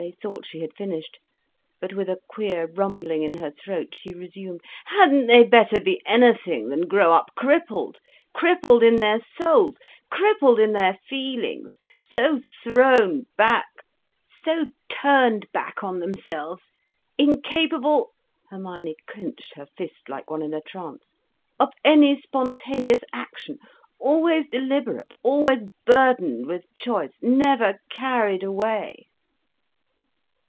They thought she had finished. But with a queer rumbling in her throat she resumed, "Hadn't they better be anything than grow up crippled, crippled in their souls, crippled in their feelings—so thrown back—so turned back on themselves—incapable—" Hermione clenched her fist like one in a trance—"of any spontaneous action, always deliberate, always burdened with choice, never carried away."